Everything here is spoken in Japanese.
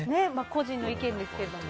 個人の意見ですけども。